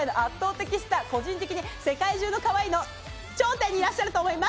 １７歳の圧倒的スター、個人的に世界中のかわいいの頂点にいらっしゃると思います。